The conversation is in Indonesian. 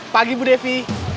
pagi bu devi